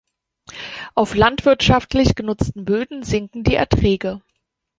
Auf landwirtschaftlich genutzten Böden sinken die Erträge.